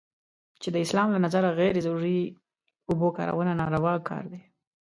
چې د اسلام له نظره غیر ضروري اوبو کارونه ناروا کار دی.